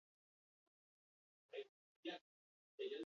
Eskailerak apurtuta daudela, eta etxera sartzea ezinezkoa dela.